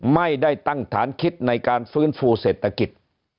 ไม่ได้ตั้งฐานคิดในการฟื้นฟูเศรษฐกิจ